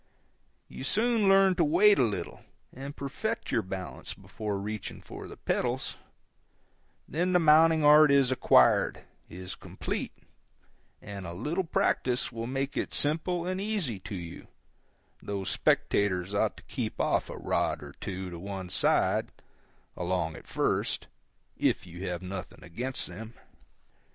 You soon learn to wait a little and perfect your balance before reaching for the pedals; then the mounting art is acquired, is complete, and a little practice will make it simple and easy to you, though spectators ought to keep off a rod or two to one side, along at first, if you have nothing against them.